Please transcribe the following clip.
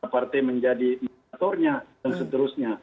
partai menjadi mentornya dan seterusnya